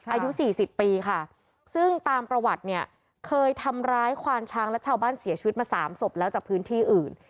อายุ๔๐ปีค่ะซึ่งตามประวัติเนี่ยเคยทำร้ายควานช้างและชาวบ้านเสียชีวิตมา๓ศพแล้วจากพื้นที่อื่น